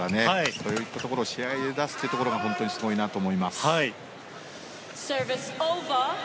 そういったところを試合で出すというところが本当にすごいなと思います。